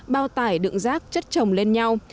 bao tải đựng rác chất trồng lên nhau